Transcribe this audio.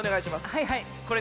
はいはいこれねえ